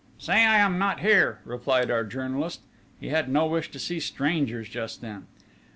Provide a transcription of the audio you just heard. "Say I am not here," replied our journalist: he had no wish to see strangers just then.